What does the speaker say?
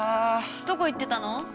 どこ行ってたの？